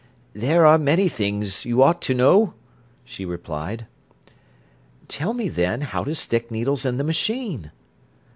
"There are many things you ought to know," she replied. "Tell me, then, how to stick needles in the machine."